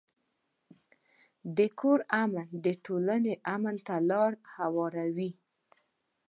د کور امن د ټولنې امن ته لار هواروي.